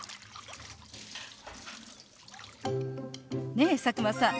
ねえ佐久間さん